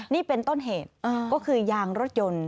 นี่เป็นต้นเหตุก็คือยางรถยนต์